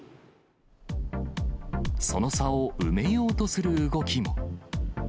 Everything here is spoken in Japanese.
その差を埋めようとする動きも。